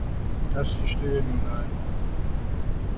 Das verstehe nun einer!